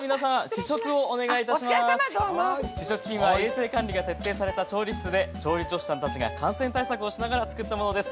試食品は衛生管理が徹底された調理室で調理助手さんたちが感染対策をしながら作ったものです。